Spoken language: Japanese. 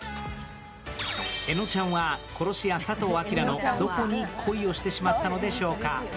えのちゃんは殺し屋・佐藤明のどこに恋をしてしまったのでしょうか？